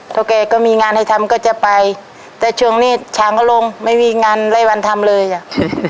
แกก็มีงานให้ทำก็จะไปแต่ช่วงนี้ช้างก็ลงไม่มีงานได้วันทำเลยอ่ะ